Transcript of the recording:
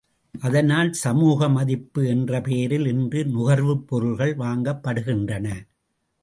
அதனால் சமூக மதிப்பு என்ற பெயரில் இன்று நுகர்வுப் பொருள்கள் வாங்கப்படுகின்றன.